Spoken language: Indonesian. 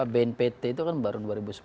bnpt itu kan baru dua ribu sepuluh